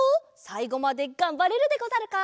さいごまでがんばれるでござるか？